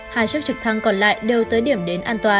hai chiếc trực thăng còn lại đều tới điểm đến an toàn